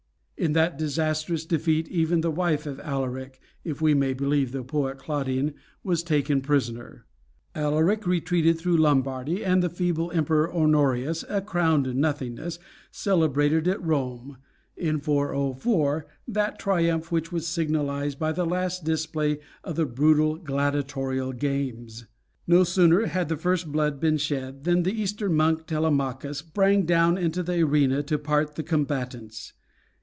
In that disastrous defeat even the wife of Alaric, if we may believe the poet Claudian, was taken prisoner. [Illustration: Alaric in Athens.] Alaric retreated through Lombardy, and the feeble Emperor Honorius "a crowned nothingness" celebrated at Rome, in 404, that triumph which was signalized by the last display of the brutal gladiatorial games. No sooner had the first blood been shed than the Eastern monk Telemachus sprang down into the arena to part the combatants.